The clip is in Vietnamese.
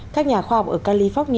các nhà khoa học ở california